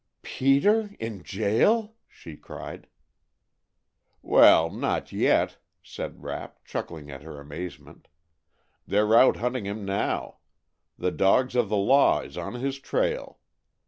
"Peter in jail?" she cried. "Well, not yet," said Rapp, chuckling at her amazement. "They 're out hunting him now. The dogs of the law is on his trail.